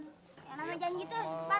buka dulu blindzan manusia